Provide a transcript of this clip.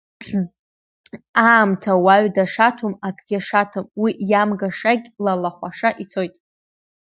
Аамҭа уаҩ дашаҭом, акгьы ашаҭом, уи иамгашагь лалахәаша ицоит.